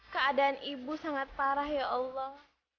keadaan ibu sangat parah ya allah